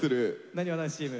なにわ男子チーム。